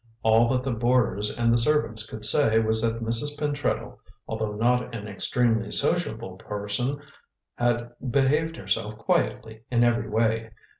All that the boarders and the servants could say was that Mrs. Pentreddle, although not an extremely sociable person, had behaved herself quietly in every way.